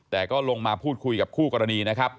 แต่ก็ลงมาพูดคุยกับคู่กรณีนะครับ